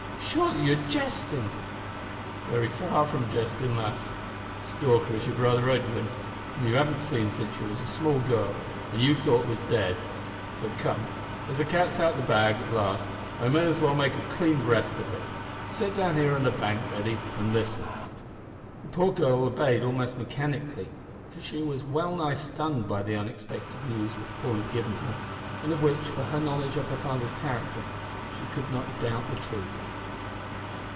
Surely you are jesting!" "Very far from jesting, lass. Stalker is your brother Edwin, whom you haven't seen since you was a small girl, and you thought was dead. But, come, as the cat's out o' the bag at last, I may as well make a clean breast of it. Sit down here on the bank, Betty, and listen." The poor girl obeyed almost mechanically, for she was well nigh stunned by the unexpected news, which Paul had given her, and of which, from her knowledge of her father's character, she could not doubt the truth.